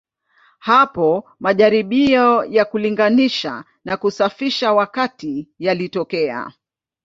Hapo majaribio ya kulinganisha na kusafisha wakati yalitokea.